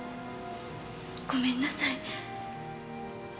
ごめんなさい。